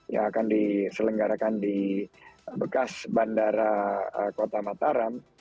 yang akan diselenggarakan di bekas bandara kota mataram